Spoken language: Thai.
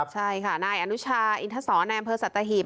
ใช่ค่ะนายอนุชาอินทศแนมเภอสัตว์ตะหีบ